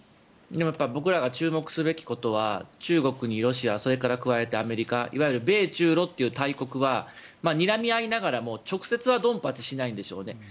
でも僕らが注目すべきことは中国にロシアそれに加えてアメリカいわゆる米中ロという大国はにらみ合いながらも直接はドンパチしないんでしょうね。